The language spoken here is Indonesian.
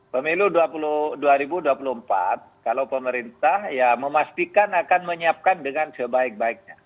pemilu dua ribu dua puluh empat kalau pemerintah ya memastikan akan menyiapkan dengan sebaik baiknya